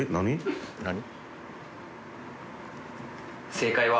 正解は